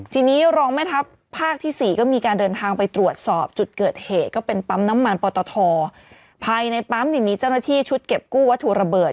ทีนี้รองแม่ทัพภาคที่๔ก็มีการเดินทางไปตรวจสอบจุดเกิดเหตุก็เป็นปั๊มน้ำมันปอตทภายในปั๊มเนี่ยมีเจ้าหน้าที่ชุดเก็บกู้วัตถุระเบิด